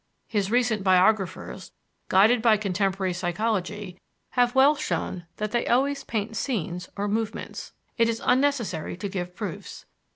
His recent biographers, guided by contemporary psychology, have well shown that they always paint scenes or movements. It is unnecessary to give proofs.